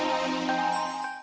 si impressive ketawa